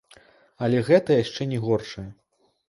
Але гэта яшчэ не горшае.